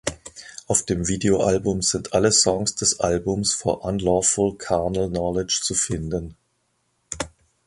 Auf dem Videoalbum sind alle Songs des Albums "For Unlawful Carnal Knowledge" zu finden.